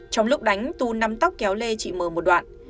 trong lúc đánh tú nắm tóc kéo lê chị m một đoạn